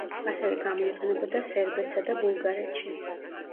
ასევე გამოიყენებოდა სერბეთსა და ბულგარეთში.